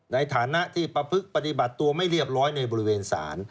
ในฐานะที่ประพฤกษปฏิบัติตัวไม่เรียบร้อยในบริเวณศาล